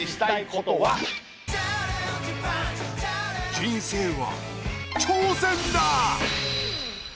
人生は挑戦だ！